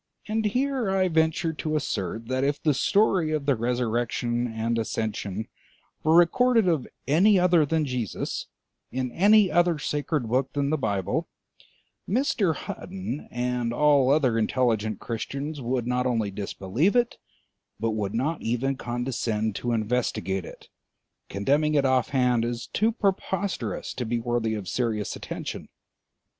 And here I venture to assert that if the story of the resurrection and ascension were recorded of any other than Jesus in any other sacred book than the Bible, Mr. Hutton and all other intelligent Christians would not only disbelieve it, but would not even condescend to investigate it, condemning it offhand as too preposterous to be worthy of serious attention.